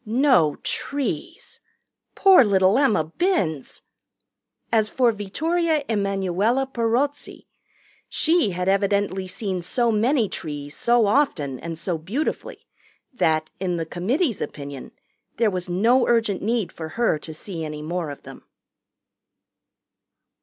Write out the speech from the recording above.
No trees. Poor little Emma Binns! As for Vittoria Emanuella Perozzi, she had evidently seen so many trees so often and so beautifully that, in the committee's opinion, there was no urgent need for her to see any more of them.